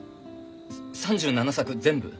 ３７作全部？